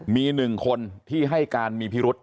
มี๑คนที่ให้มีพิรุธ